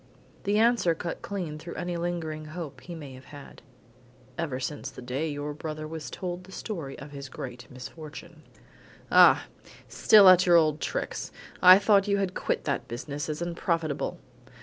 The answer cut clean through any lingering hope he may have had. "Ever since the day your brother was told the story of his great misfortune." "Ah! still at your old tricks! I thought you had quit that business as unprofitable."